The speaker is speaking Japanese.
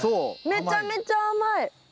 めちゃめちゃ甘い。